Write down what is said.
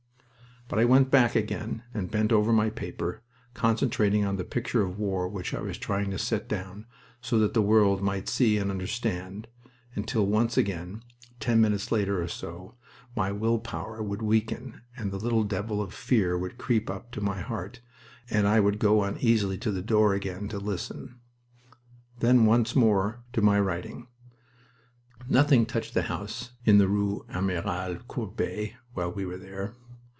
But I went back again and bent over my paper, concentrating on the picture of war which I was trying to set down so that the world might see and understand, until once again, ten minutes later or so, my will power would weaken and the little devil of fear would creep up to my heart and I would go uneasily to the door again to listen. Then once more to my writing... Nothing touched the house in the rue Amiral Courbet while we were there.